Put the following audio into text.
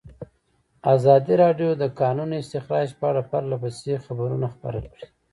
ازادي راډیو د د کانونو استخراج په اړه پرله پسې خبرونه خپاره کړي.